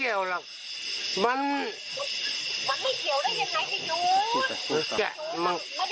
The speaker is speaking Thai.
ไม่ได้ห่วงมันเหรอห่วงเหล้าใช่ไหม